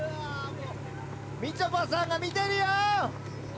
みちょぱさんが見てるよ！